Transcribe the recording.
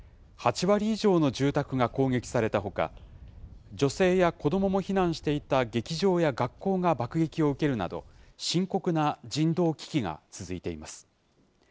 ８割以上の住宅が攻撃されたほか、女性や子どもも避難していた劇場や学校が爆撃を受けるなど、深刻な人道危機が続いています。